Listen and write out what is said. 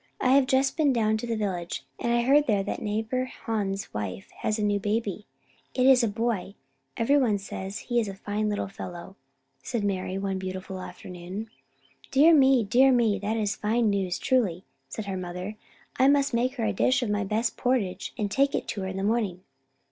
I have just been down to the village, and I heard there that neighbour Hans's wife has a new baby. It is a boy. Every one says he is a fine little fellow," said Mari, one beautiful afternoon. "Dear me! dear me! that is fine news, truly," said her mother. "I must make her a dish of my best porridge and take it to her in the morning."